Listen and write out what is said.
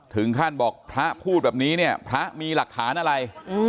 ถึงขั้นบอกพระพูดแบบนี้เนี่ยพระมีหลักฐานอะไร